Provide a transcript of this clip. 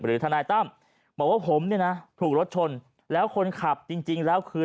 หรือธนายตั้มบอกว่าผมถูกรถชนแล้วคนขับจริงแล้วคือ